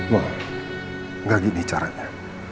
ma gak gini caranya